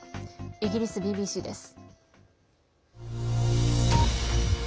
イギリスＢＢＣです。